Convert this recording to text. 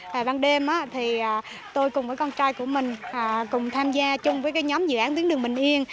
và ban đêm thì tôi cùng với con trai của mình cùng tham gia chung với cái nhóm dự án tuyến đường bình yên